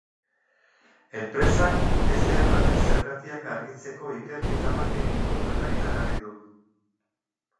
Enpresak ezbeharraren zergatiak argitzeko ikerketa bat egingo duela iragarri du.